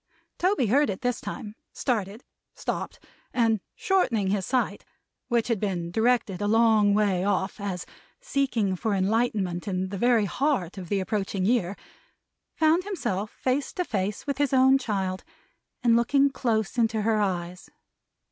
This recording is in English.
Toby heard it this time; started; stopped; and shortening his sight, which had been directed a long way off as seeking for enlightenment in the very heart of the approaching year, found himself face to face with his own child, and looking close into her eyes.